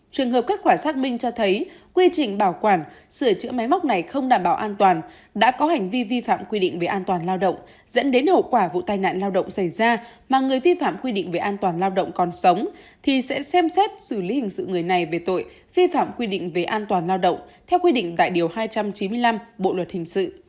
trường hợp kết quả xác minh cho thấy quy trình bảo quản sửa chữa máy móc này không đảm bảo an toàn đã có hành vi vi phạm quy định về an toàn lao động dẫn đến hậu quả vụ tai nạn lao động xảy ra mà người vi phạm quy định về an toàn lao động còn sống thì sẽ xem xét xử lý hình sự người này về tội vi phạm quy định về an toàn lao động theo quy định đại điều hai trăm chín mươi năm bộ luật hình sự